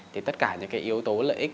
thì tất cả những cái yếu tố lợi ích